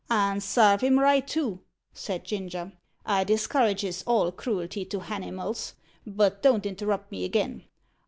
"And sarve him right, too," said Ginger. "I discourages all cruelty to hanimals. But don't interrupt me again.